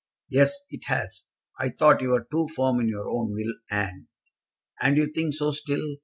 "Yes, it has. I thought you were too firm in your own will, and " "And you think so still.